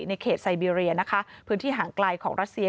ในเขตไซเบียนะคะพื้นที่ห่างไกลของรัสเซีย